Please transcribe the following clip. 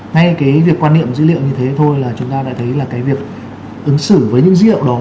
ngay cái việc quan niệm dữ liệu như thế thôi là chúng ta đã thấy là cái việc ứng xử với những dữ liệu đó